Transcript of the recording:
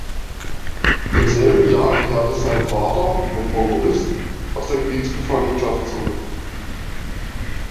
Im selben Jahr kehrte sein Vater, ein Prokurist, aus der Kriegsgefangenschaft zurück.